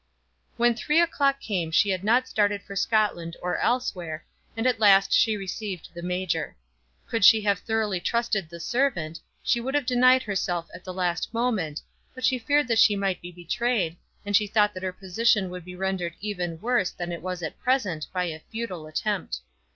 When three o'clock came she had not started for Scotland or elsewhere, and at last she received the major. Could she have thoroughly trusted the servant, she would have denied herself at the last moment, but she feared that she might be betrayed, and she thought that her position would be rendered even worse than it was at present by a futile attempt.